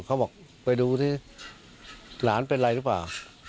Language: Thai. เขาบอกไปดูสิหลานเป็นอะไรหรือเปล่า